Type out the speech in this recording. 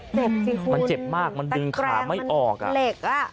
เจ็บจริงคุณตะแกงเหล็กอ่ะมันเจ็บมากมันดึงขาไม่ออก